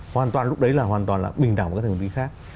hoàn toàn lúc đấy là hoàn toàn là bình đẳng của các thành viên khác